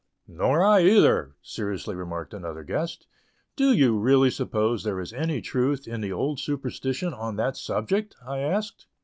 "Nor I either," seriously remarked another guest. "Do you really suppose there is any truth in the old superstition on that subject?" I asked.